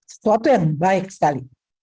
suatu yang baik sekali